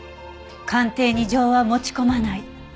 鑑定に情は持ち込まない。